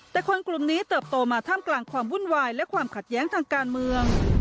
แต่คนกลุ่มนี้เติบโตมาท่ามกลางความวุ่นวายและความขัดแย้งทางการเมือง